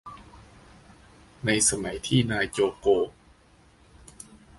ในสมัยที่นายโจโก